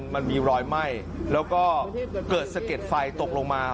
มันมีรอยไหม้แล้วก็เกิดสะเก็ดไฟตกลงมา